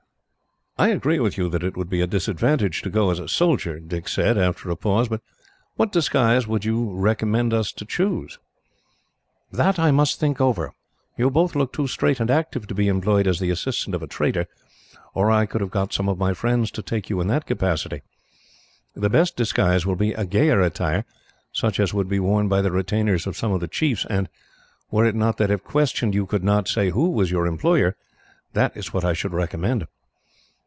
"I agree with you that it would be a disadvantage to go as a soldier," Dick said, after a pause; "but what disguise would you recommend us to choose?" "That I must think over. You both look too straight and active to be employed as the assistants of a trader, or I could have got some of my friends to take you in that capacity. The best disguise will be a gayer attire, such as would be worn by the retainers of some of the chiefs; and were it not that, if questioned, you could not say who was your employer, that is what I should recommend."